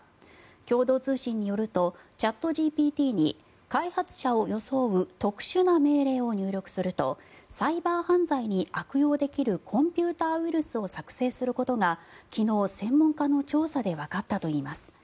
共同通信によるとチャットＧＰＴに開発者を装う特殊な命令を入力するとサイバー犯罪に悪用できるコンピューターウイルスを作成することが昨日、専門家の調査でわかったといいます。